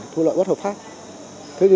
thu lợi bất hợp pháp